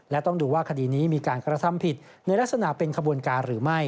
และต้องดูว่าคดีนี้มีการกระทำผิดในลักษณะเป็นขบวนการหรือไม่